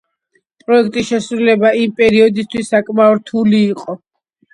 პროექტის შესრულება იმ პერიოდისათვის საკმაოდ რთული იყო.